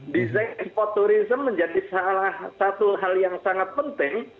desain sportulism menjadi salah satu hal yang sangat penting